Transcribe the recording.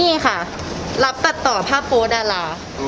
นี่ค่ะรับตัดต่อภาพโพสต์ดารา